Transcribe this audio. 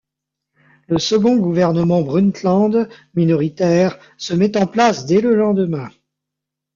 Le second gouvernement Brundtland, minoritaire, se met en place dès le lendemain.